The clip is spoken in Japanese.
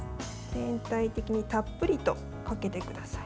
全体的にたっぷりとかけてください。